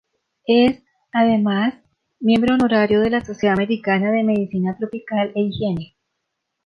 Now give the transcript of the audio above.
Es, además, miembro honorario de la Sociedad Americana de Medicina Tropical e Higiene.